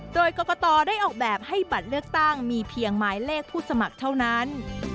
โดยกรกตได้ออกแบบให้บัตรเลือกตั้งมีเพียงหมายเลขผู้สมัครเท่านั้น